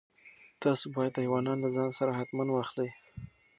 تاسو باید ایوانان له ځان سره حتماً واخلئ.